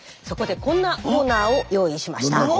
そこでこんなコーナーを用意しました。